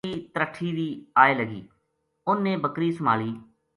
لیاری بکری ترٹھی وی آئے لگی انھ نے بکری سُمہالی